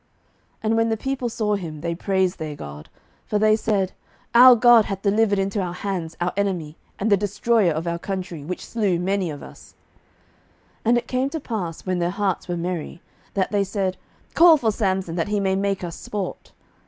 07:016:024 And when the people saw him, they praised their god: for they said, Our god hath delivered into our hands our enemy, and the destroyer of our country, which slew many of us. 07:016:025 And it came to pass, when their hearts were merry, that they said, Call for Samson, that he may make us sport.